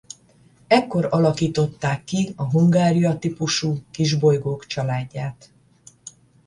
Ekkor alakították ki a Hungaria-típusú kisbolygók családját.